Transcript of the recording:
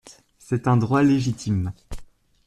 C’est un droit légitime.